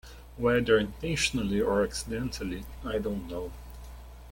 Whether intentionally or accidentally, I don't know.